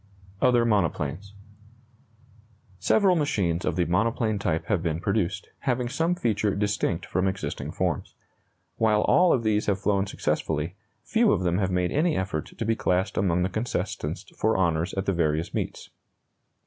OTHER MONOPLANES. Several machines of the monoplane type have been produced, having some feature distinct from existing forms. While all of these have flown successfully, few of them have made any effort to be classed among the contestants for honors at the various meets.